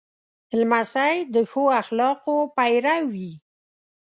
لمسی د ښو اخلاقو پیرو وي.